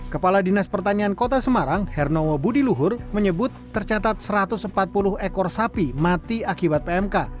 kepala dinas pertanian kota semarang hernomo budi luhur menyebut tercatat satu ratus empat puluh ekor sapi mati akibat pmk